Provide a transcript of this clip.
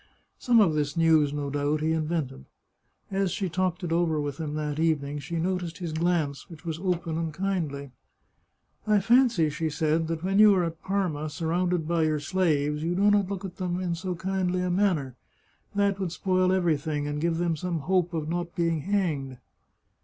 Some of this news, no doubt, he invented. As she talked it over with him that evening she noticed his glance, which was open and kindly. " I fancy," she said, " that when you are at Parma, sur rounded by your slaves, you do not look at them in so kindly a manner. That would spoil everything, and give them some hope of not being hanged."